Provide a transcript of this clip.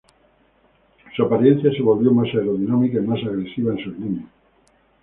Su apariencia se volvió más aerodinámica y más agresiva en sus líneas.